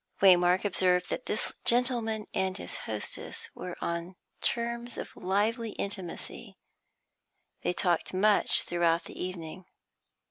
Waymark observed that this gentleman and his hostess were on terms of lively intimacy. They talked much throughout the evening.